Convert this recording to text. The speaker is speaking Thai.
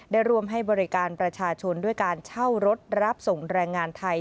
รวมให้บริการประชาชนด้วยการเช่ารถรับส่งแรงงานไทย